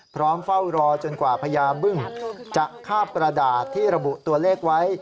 เฝ้ารอจนกว่าพญาบึ้งจะคาบกระดาษที่ระบุตัวเลขไว้